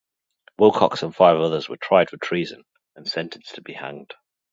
Wilcox and five others were tried for treason, and sentenced to be hanged.